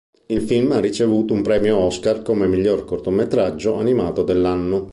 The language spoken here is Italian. Il film ha ricevuto un Premio Oscar come miglior cortometraggio animato dell'anno.